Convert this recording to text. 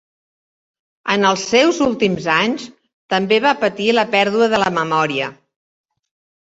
En els seus últims anys, també va patir la pèrdua de la memòria.